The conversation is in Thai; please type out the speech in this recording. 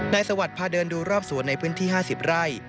สวัสดิ์พาเดินดูรอบสวนในพื้นที่๕๐ไร่